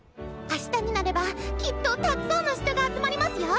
明日になればきっとたくさんの人が集まりますよ！